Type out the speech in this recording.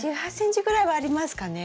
１８ｃｍぐらいはありますかね。